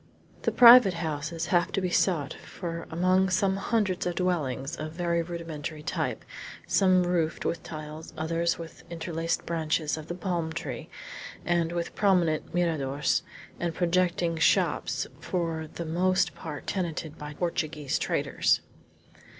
The private houses have to be sought for among some hundreds of dwellings, of very rudimentary type, some roofed with tiles, others with interlaced branches of the palm tree, and with prominent miradors, and projecting shops for the most part tenanted by Portuguese traders.